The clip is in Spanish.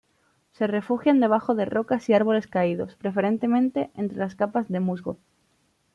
Se refugian debajo de rocas y árboles caídos, preferentemente entre las capas de musgo.